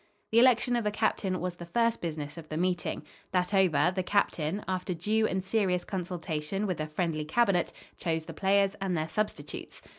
The election of a captain was the first business of the meeting. That over, the captain, after due and serious consultation with a friendly cabinet, chose the players and their substitutes.